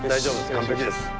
完璧です。